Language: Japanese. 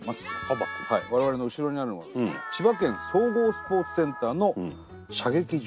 我々の後ろにあるのが千葉県総合スポーツセンターの射撃場。